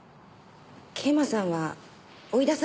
桂馬さんは追い出されたんです。